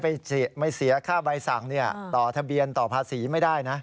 ไม่เสียค่าใบสั่งต่อทะเบียนต่อภาษีไม่ได้นะ